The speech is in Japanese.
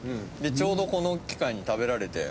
ちょうどこの機会に食べられて。